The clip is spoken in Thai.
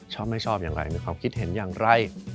ชอบไม่ชอบอย่างไรมีความคิดเห็นอย่างไร